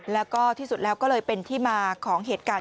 และเป็นที่มาของเหตุการณ์